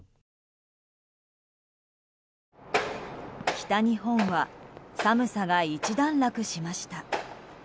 北日本は寒さが一段落しました。